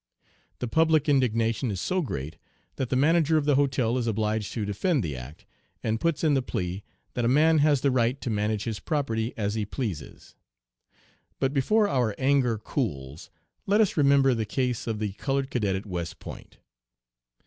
The public indignation is so great that the manager of the hotel is obliged to defend the act, and puts in the plea that a man has the right to manage his property as he pleases. "But before our anger cools, let us remember the case of the colored cadet at West Point.